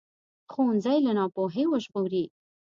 ښوونځی له ناپوهۍ وژغوري